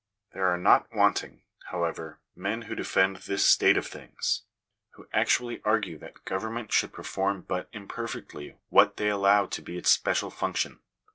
There are not wanting, however, men who defend this state of things — who actually argue that government should perform but imperfectly what they allow to be its special function.